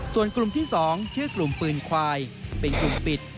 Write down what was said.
ส่วนกลุ่มที่๒ชื่อกลุ่มปืนควายเป็นกลุ่มปิด